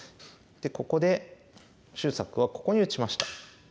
ここで秀策はここに打ちました。